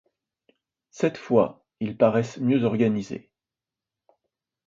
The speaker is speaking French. Cette fois, ils paraissent mieux organisés.